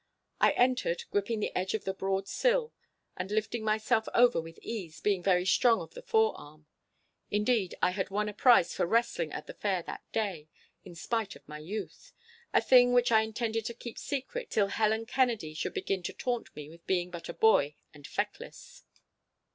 I entered, gripping the edge of the broad sill and lifting myself over with ease, being very strong of the forearm. Indeed, I had won a prize for wrestling at the fair that day, in spite of my youth—a thing which I intended to keep secret till Helen Kennedy should begin to taunt me with being but a boy and feckless.